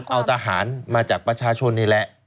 ต้องการเอาทหารมาจากประชาชนนี่แหละ